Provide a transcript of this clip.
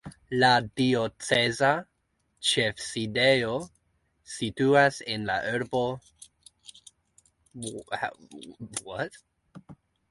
La dioceza ĉefsidejo situas en la urbo Jeghegnadzor.